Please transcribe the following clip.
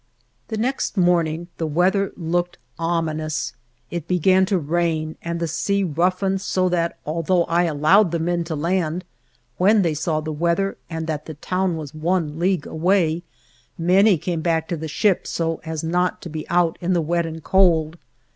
The next morning the weather looked ominous. It began to rain, and the sea roughened so that, although I allowed the men to land, when they saw the weather and that the town was one league away, many came back to the ship so as not to be out in the wet and cold.